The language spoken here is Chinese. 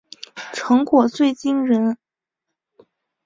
成果最惊人